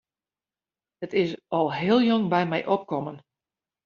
It is al heel jong by my opkommen.